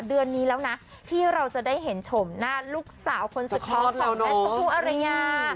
เดือนนี้แล้วนะที่เราจะได้เห็นชมหน้าลูกสาวคนสุขธรรมและสุภูมิอรัยงา